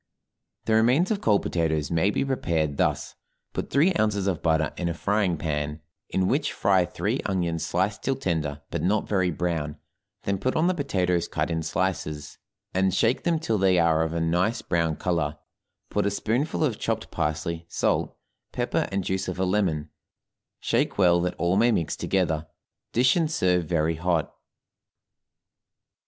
The remains of cold potatoes may be prepared thus: Put three ounces of butter in a frying pan in which fry three onions sliced till tender, but not very brown, then put on the potatoes cut in slices, and shake them till they are of a nice brown color, put a spoonful of chopped parsley, salt, pepper, and juice of a lemon, shake well that all may mix together, dish, and serve very hot.